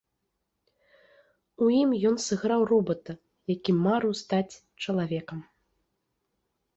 У ім ён сыграў робата, які марыў стаць чалавекам.